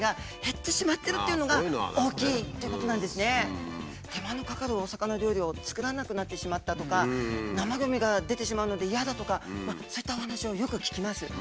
実は手間のかかるお魚料理を作らなくなってしまったとか生ゴミが出てしまうので嫌だとかそういったお話をよく聞きます。